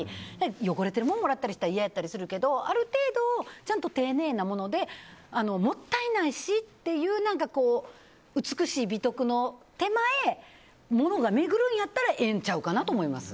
汚れてるものもらったりすると嫌だったりするけどちゃんと丁寧なものでもったいないしっていう美しい美徳の手前物が巡るんやったらええんちゃうかなと思います。